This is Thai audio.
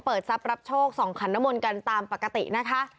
เปิดซับรับโชค๒ขันต์นมนตร์กันตามปกตินะคะ